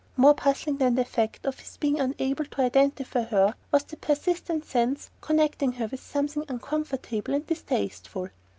More puzzling than the fact of his being unable to identify her was the persistent sense connecting her with something uncomfortable and distasteful.